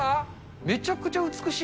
めちゃくちゃ美しい。